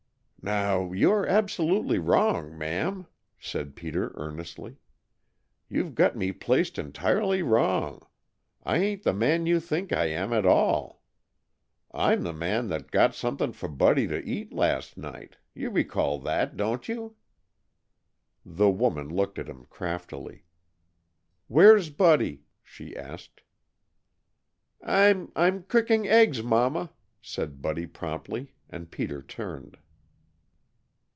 "Now, you are absolutely wrong, ma'am," said Peter earnestly. "You've got me placed entirely wrong. I ain't the man you think I am at all. I'm the man that got something for Buddy to eat last night. You recall that, don't you?" The woman looked at him craftily. "Where's Buddy?" she asked. "I'm I'm cooking eggs, Mama," said Buddy promptly, and Peter turned.